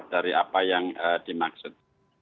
dari apa yang dimaksud